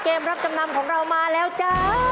รับจำนำของเรามาแล้วจ้า